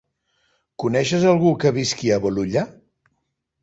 Coneixes algú que visqui a Bolulla?